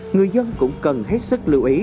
người dân cũng cần hết sức lưu ý